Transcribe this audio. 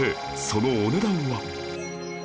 そのお値段は